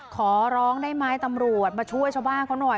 ขอร้องได้ไหมตำรวจมาช่วยชาวบ้านเขาหน่อย